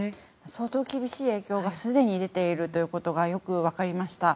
相当厳しい影響がすでに出ていることがよくわかりました。